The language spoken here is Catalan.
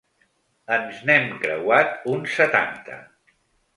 Ens n’hem creuat uns setanta.